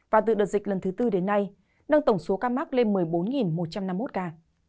và từ đợt dịch lần thứ tư đến nay nâng tổng số ca mắc lên một mươi bốn một trăm năm mươi một ca